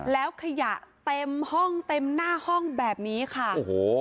แล้วขยะเต็มห้องเต็มหน้าห้องแบบนี้ค่ะโอ้โห